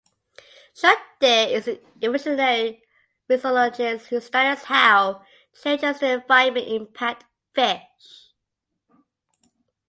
Schulte is an evolutionary physiologist who studies how changes in the environment impact fish.